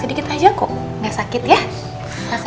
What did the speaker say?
bener ini wkwkwk vincent saja tahap